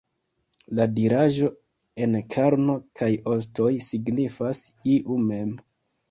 La diraĵo "en karno kaj ostoj" signifas "iu mem".